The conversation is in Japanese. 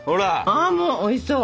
ああもうおいしそう！